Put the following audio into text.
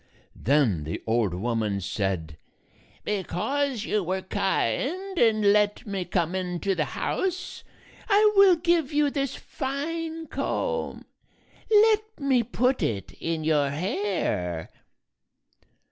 Then the old woman said, "Because you were kind and let me come into the house, I will give you this fine comb. Let me put it in your hair."